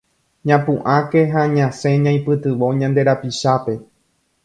Ñapu'ãke ha ñasẽ ñaipytyvõ ñande rapichápe